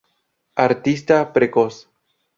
Artista precoz.